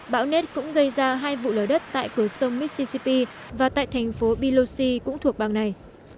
bão nết cũng gây ra hai vụ lở đất tại cửa sông mississippi và tại thành phố pelosi cũng thuộc bang này